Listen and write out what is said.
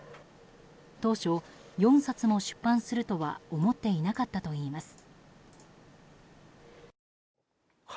当初４冊も出版するとは思っていなかったといいます。